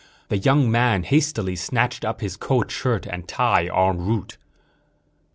The young man hastily snatched up his coat, shirt and tie en route.